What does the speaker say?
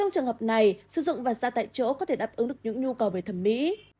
vì vậy sử dụng vặt ra tại chỗ có thể đáp ứng được những nhu cầu về thẩm mỹ